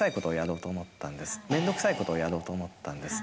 面倒くさいことをやろうと思ったんです。